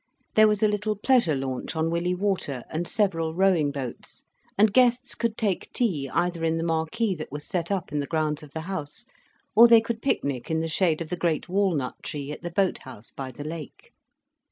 There was a little pleasure launch on Willey Water and several rowing boats, and guests could take tea either in the marquee that was set up in the grounds of the house, or they could picnic in the shade of the great walnut tree at the boat house by the lake.